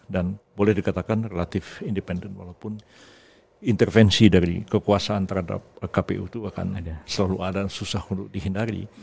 dan boleh dikatakan relatif independen walaupun intervensi dari kekuasaan terhadap kpu itu akan selalu ada dan susah untuk dihindari